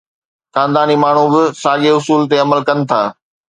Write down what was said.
خانداني ماڻهو به ساڳئي اصول تي عمل ڪن ٿا.